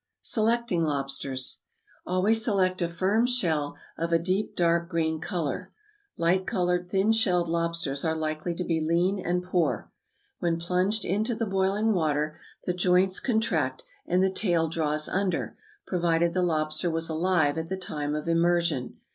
=Selecting Lobsters.= Always select a firm shell, of a deep dark green color. Light colored, thin shelled lobsters are likely to be lean and poor. When plunged into the boiling water, the joints contract, and the tail draws under, provided the lobster was alive at the time of immersion.